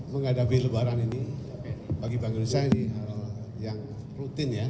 menghadapi lebaran ini bagi bank indonesia ini hal yang rutin ya